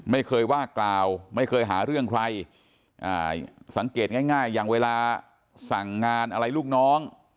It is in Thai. ไม่เคยว่ากล่าวไม่เคยหาเรื่องใครสังเกตง่ายอย่างเวลาสั่งงานอะไรลูกน้อง